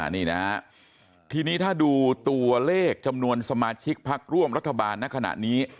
นี่นะฮะทีนี้ถ้าดูตัวเลขจำนวนสมาชิกพักร่วมรัฐบาลในขณะนี้